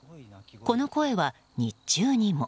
この声は日中にも。